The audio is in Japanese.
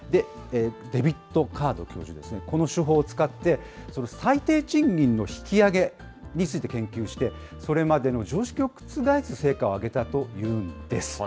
デビッド・カード教授ですね、この手法を使って、最低賃金の引き上げについて研究して、それまでの常識を覆す成果を挙げたというんです。